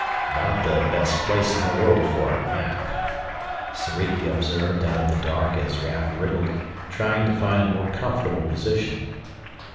"Not the best place in the world for a nap," Soriki observed out of the dark as Raf wriggled, trying to find a more comfortable position.